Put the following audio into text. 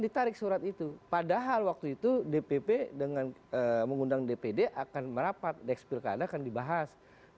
ditarik surat itu padahal waktu itu dpp dengan mengundang dpd akan merapat dex pilkada akan dibahas